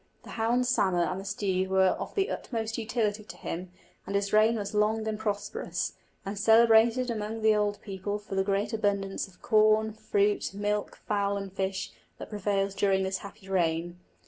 The hound Samer and the steed were of the utmost utility to him; and his reign was long and prosperous, and celebrated among the old people for the great abundance of corn, fruit, milk, fowl, and fish that prevailed during this happy reign.